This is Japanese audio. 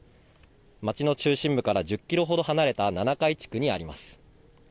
町の中心部から１０キロほど離れた七会地区にあります。